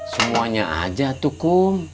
semuanya aja tuh kom